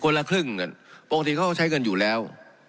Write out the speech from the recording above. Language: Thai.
ละครึ่งกันปกติเขาก็ใช้เงินอยู่แล้ว